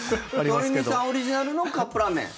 鳥海さんオリジナルのカップラーメン。